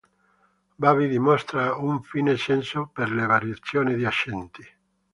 Baby dimostra un fine senso per le variazioni di accenti.